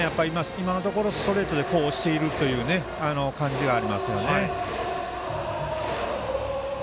今のところストレートで押している感じはありますね。